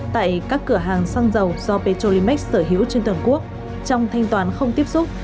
tại các cửa hàng xăng dầu do petrolimax sở hữu trên toàn quốc trong thanh toán không tiếp xúc